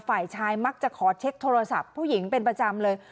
ฝ่ายชายมักจะขอเช็คโทรศัพท์ผู้หญิงเป็นประจำเลย